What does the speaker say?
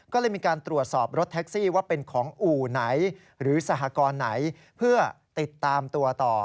ก็เลยมีการตรวจสอบรถแท็กซี่ว่าเป็นของอู่ไหนหรือสหกรณ์ไหนเพื่อติดตามตัวต่อ